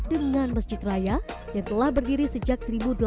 dengan masjid raya yang telah berdiri sejak seribu delapan ratus delapan puluh lima